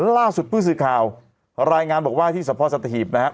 ล่าสุดผู้สื่อข่าวรายงานบอกว่าที่สะพอสัตหีบนะฮะ